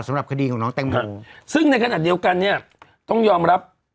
สำหรับคดีของน้องแตงโมซึ่งในขณะเดียวกันเนี่ยต้องยอมรับ